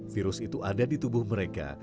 virus itu ada di tubuh mereka